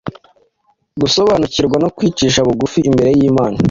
gusobanukirwa no kwicisha bugufi imbere y’Imana,